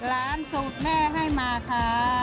ร้านสูตรแม่ให้มาค่ะ